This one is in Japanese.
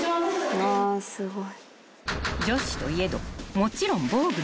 うわすごっ。